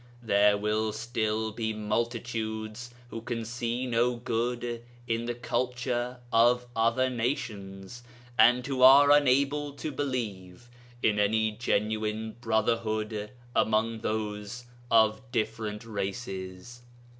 There will still be multitudes who can see no good in the culture of other nations, and who are unable to believe in any genuine brotherhood among those of different races.